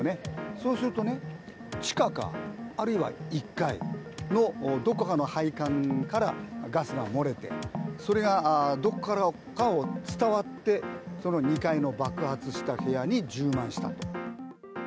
そうするとね地下かあるいは１階のどこかの配管からガスが漏れてそれがどこからか伝わって２回の爆発した部屋に充満したと。